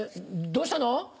どうしたの？